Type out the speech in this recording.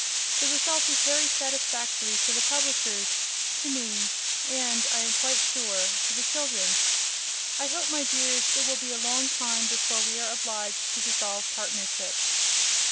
The result is very satisfactory to the publishers, to me, and (I am quite sure) to the children. I hope, my dears, it will be a long time before we are obliged to dissolve partnership.